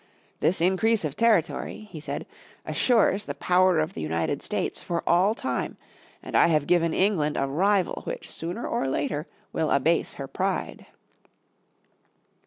"This increase of territory,' he said, "assures the power of the United States for all time. And I have given England a rival which sooner or later will abase her pride."